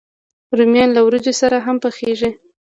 رومیان له وریجو سره هم پخېږي